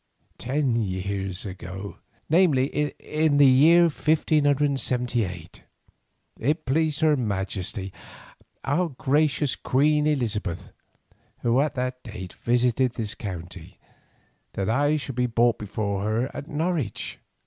Ten years ago, namely, in the year 1578, it pleased her Majesty, our gracious Queen Elizabeth, who at that date visited this county, that I should be brought before her at Norwich.